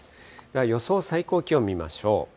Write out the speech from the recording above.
では予想最高気温見ましょう。